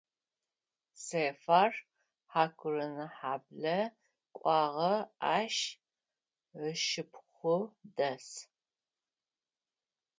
Сэфар Хьакурынэхьаблэ кӏуагъэ, ащ ышыпхъу дэс.